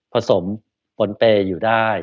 ผสมผลเปยึ่งได้